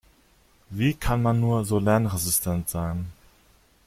Wie kann man nur so lernresistent sein?